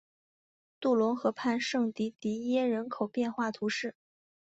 杜龙河畔圣迪迪耶人口变化图示